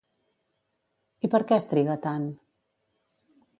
I per què es triga tant?